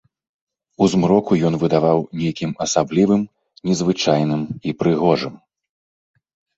У змроку ён выдаваў нейкім асаблівым, незвычайным і прыгожым.